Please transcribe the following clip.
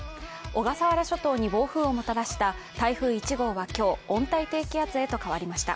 小笠原諸島に暴風雨をもたらした台風１号は今日、温帯低気圧へと変わりました。